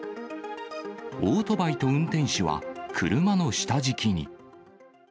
オートバイと運転手は車の下敷きに。